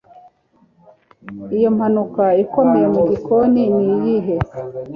Iyo mpanuka ikomeye mu gikoni niyihe